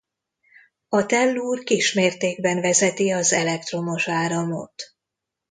A tellúr kis mértékben vezeti az elektromos áramot.